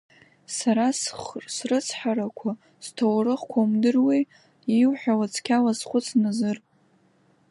Сара срыцҳарақәа, сҭоурыхқәа умдыруеи, иуҳәауа цқьа уазхәыц, Назыр?